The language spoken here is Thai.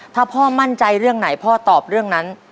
ถ้าพ่อมั่นใจเรื่องไหนพ่อตอบเรื่องนั้น